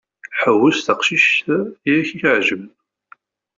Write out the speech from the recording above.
Ḥewwes taqcict i ak-iɛejben.